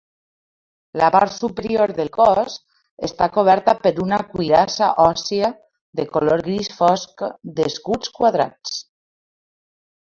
La part superior del cos està coberta per una cuirassa òssia de color gris fosc d'escuts quadrats.